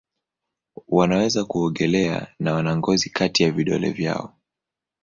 Wanaweza kuogelea na wana ngozi kati ya vidole vyao.